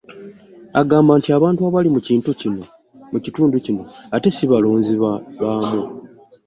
Agamba nti abantu abali mu kitundu kino ate si balonzi baamwo